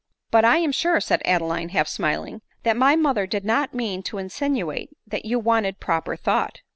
" But I am* sure," said Adeline, half smiling, " that my mother did not mean to insinuate that you wanted proper thought."